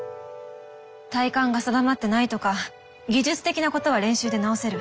体幹が定まってないとか技術的なことは練習で直せる。